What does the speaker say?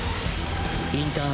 インターン